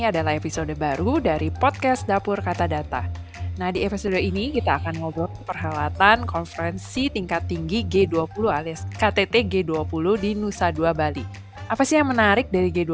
dapur kata data podcast